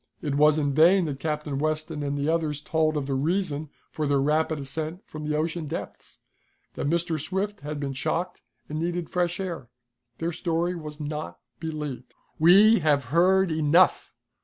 It was in vain that Captain Weston and the others told of the reason for their rapid ascent from the ocean depths that Mr. Swift had been shocked, and needed fresh air. Their story was not believed. "We have heard enough!"